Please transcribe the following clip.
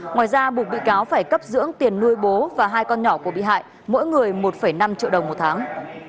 ngoài ra buộc bị cáo phải cấp dưỡng tiền nuôi bố và hai con nhỏ của bị hại mỗi người một năm triệu đồng một tháng